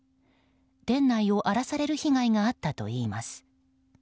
店内を荒らされる被害があったといいます。